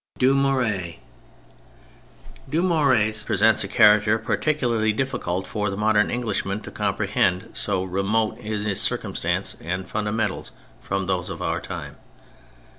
DUMOURIEZ Dumouriez presents a character particularly difficult for the modern Englishman to com prehend, so remote is it in circumstance and fundamentals from those of our time.